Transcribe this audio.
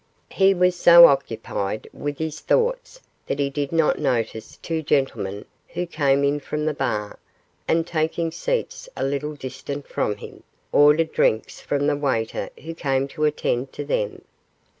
He was so occupied with his own thoughts that he did not notice two gentlemen who came in from the bar, and taking seats a little distant from him, ordered drinks from the waiter who came to attend to them.